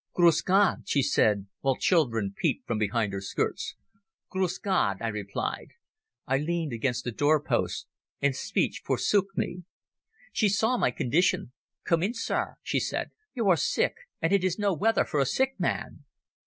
"Gruss Gott," she said, while children peeped from behind her skirts. "Gruss Gott," I replied. I leaned against the door post, and speech forsook me. She saw my condition. "Come in, sir," she said. "You are sick and it is no weather for a sick man."